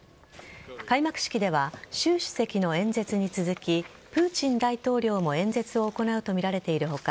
開幕式では習主席の演説に続きプーチン大統領も演説を行うとみられている他